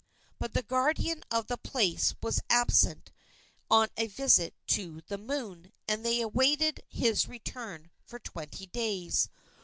But the guardian of the place was absent on a visit to the Moon, and they awaited his return for twenty days.